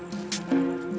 gak ada apa apa